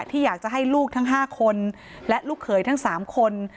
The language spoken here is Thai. ที่อยากจะให้ลูกทั้ง๕คนและลูกเขยทั้ง๓คน